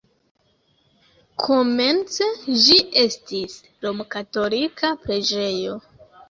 Komence ĝi estis romkatolika preĝejo.